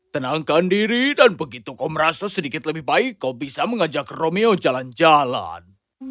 tenangkan diri dan begitu kau merasa sedikit lebih baik kau bisa mengajak romeo jalan jalan